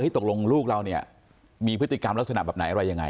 ตกลงลูกเราเนี่ยมีพฤติกรรมลักษณะแบบไหนอะไรยังไง